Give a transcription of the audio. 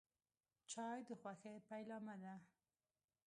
چای د خوښۍ پیلامه ده.